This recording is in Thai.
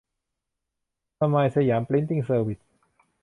สไมล์ สยาม พริ้นติ้ง เซอร์วิส